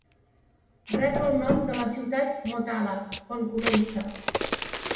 Rep el nom de la ciutat Motala, on comença.